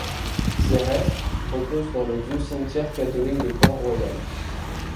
Ses restes reposent dans le vieux cimetière catholique de Port-Royal.